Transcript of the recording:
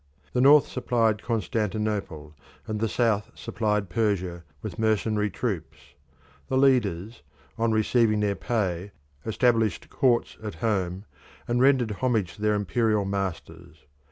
The north supplied Constantinople, and the south supplied Persia, with mercenary troops; the leaders, on receiving their pay, established courts at home, and rendered homage to their imperial masters.